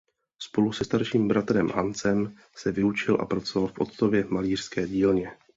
Spolu se starším bratrem Hansem se vyučil a pracoval v otcově malířské dílně.